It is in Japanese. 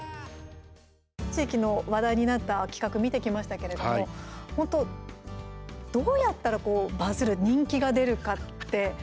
地域の話題になった企画見てきましたけれども本当、どうやったらバズる人気が出るかって。